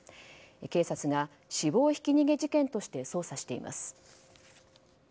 警察が死亡ひき逃げ事件として捜査しています。